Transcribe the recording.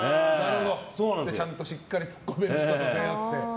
ちゃんとしっかりツッコめる人と出会って。